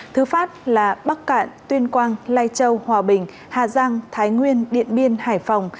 thứ phát là bắc cạn tuyên quang lai châu hòa bình hà giang thái nguyên điện biên hải phòng